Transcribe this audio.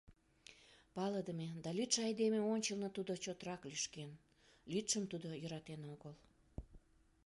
Палыдыме да лӱдшӧ айдеме ончылно тудо чотрак лӱшкен: лӱдшым тудо йӧратен огыл.